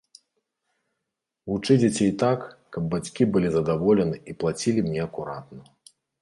Вучы дзяцей так, каб бацькі былі задаволены і плацілі мне акуратна.